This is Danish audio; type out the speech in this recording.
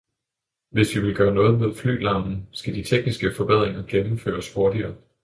Hvis vi vil gøre noget mod flylarmen, skal de tekniske forbedringer gennemføres hurtigere.